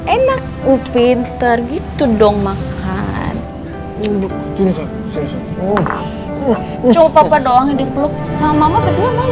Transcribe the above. enak upin tergitu dong makan makes release coba coba yang dipeluk sama mama mai enam belas